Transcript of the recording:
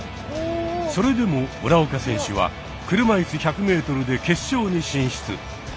それでも村岡選手は車いす１００ｍで決勝に進出。